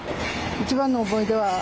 一番の思い出は。